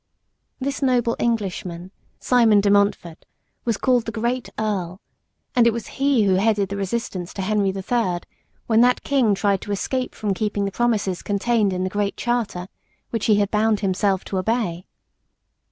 This noble Englishman, Simon de Montfort, was called the great Earl, and it was he who headed the resistance to Henry the Third, when that King tried to escape from keeping the promises contained in the Great Charter which he had bound himself to obey.